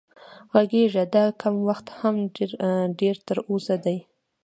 غږېږه دا کم وخت هم ډېر تر اوسه دی